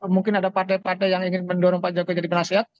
mungkin ada partai partai yang ingin mendorong pak jokowi jadi penasehat